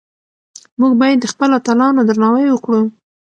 موږ باید د خپلو اتلانو درناوی وکړو.